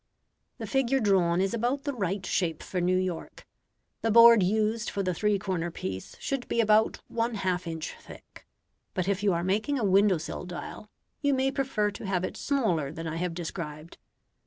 The figure drawn is about the right shape for New York. The board used for the three cornered piece should be about one half inch thick. But if you are making a window sill dial, you may prefer to have it smaller than I have described.